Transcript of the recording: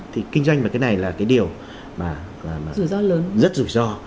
thì kinh doanh về cái này là cái điều mà rất rủi ro